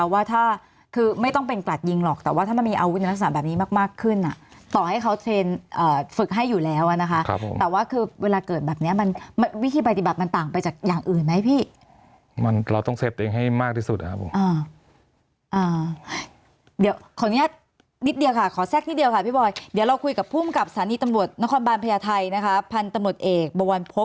ว่าคือไม่ต้องเป็นกลัดยิงหรอกแต่ว่าถ้ามันมีวุฒิหนักสรรค์แบบนี้มากขึ้นต่อให้เขาเทรนฝึกให้อยู่แล้วแต่ว่าเวลาเกิดแบบนี้วิธีปฏิบัติมันต่างไปจากอย่างอื่นไหมพี่เราต้องเซฟตัวเองให้มากที่สุดครับ